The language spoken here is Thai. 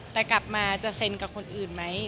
แต่กลับมาจะเซ็นกับคนอื่นไหม